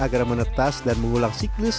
agar menetas dan mengulang siklus